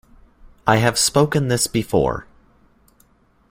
I have spoken of this before.